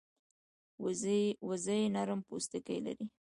وزې نرم پوستکی لري